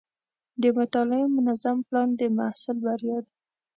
د مطالعې منظم پلان د محصل بریا ده.